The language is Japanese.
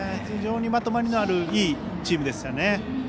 非常にまとまりのあるいいチームでしたね。